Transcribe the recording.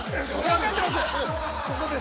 ◆分かってます。